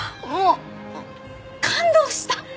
もう感動した！